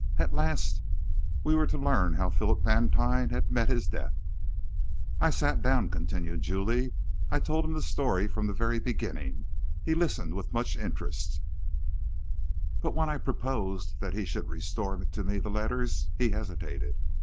At last we were to learn how Philip Vantine had met his death! "I sat down," continued Julie. "I told him the story from the very beginning. He listened with much interest; but when I proposed that he should restore to me the letters, he hesitated.